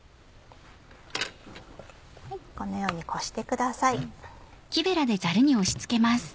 このようにこしてください。